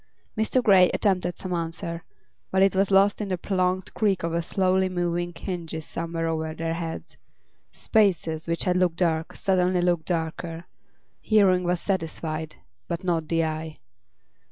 Mr. Grey attempted some answer, but it was lost in the prolonged creak of slowly moving hinges somewhere over their heads. Spaces, which had looked dark, suddenly looked darker; hearing was satisfied, but not the eye.